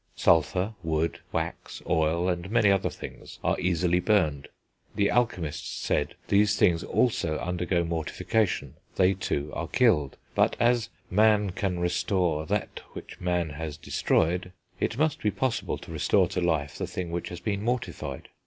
Sulphur, wood, wax, oil, and many other things are easily burned: the alchemists said, these things also undergo mortification, they too are killed; but, as "man can restore that which man has destroyed," it must be possible to restore to life the thing which has been mortified.